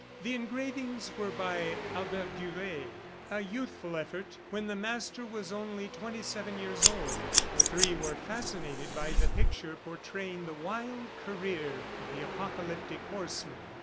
The engravings were by Albert Durer, a youthful effort, when the master was only twenty seven years old. The three were fascinated by the picture portraying the wild career of the Apocalyptic horsemen.